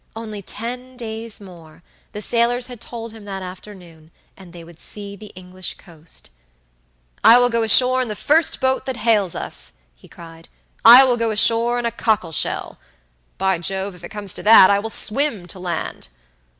Only ten days more, the sailors had told him that afternoon, and they would see the English coast. "I will go ashore in the first boat that hails us," he cried; "I will go ashore in a cockle shell. By Jove, if it comes to that, I will swim to land."